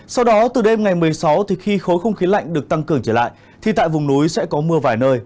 sau đó từ đêm ngày một mươi sáu thì khi khối không khí lạnh được tăng cường trở lại thì tại vùng núi sẽ có mưa vài nơi